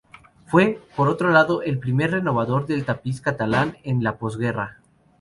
Fue, por otro lado, el primer renovador del tapiz catalán en la posguerra.